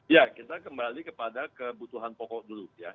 ya kita kembali kepada kebutuhan pokok dulu ya